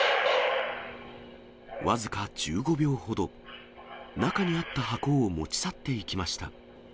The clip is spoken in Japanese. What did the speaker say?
僅か１５秒ほど、中にあった箱を持ち去っていきました。